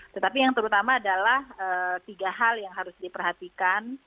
tetapi yang terutama adalah tiga hal yang harus diperhatikan